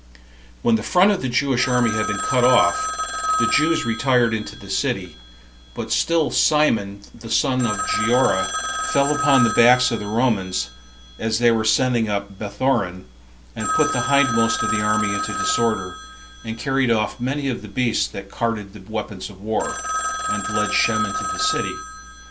When the front of the Jewish army had been cut off, the Jews retired into the city; but still Simon, the son of Giora, fell upon the backs of the Romans, as they were ascending up Bethoron, and put the hindmost of the army into disorder, and carried off many of the beasts that carried the weapons of war, and led Shem into the city.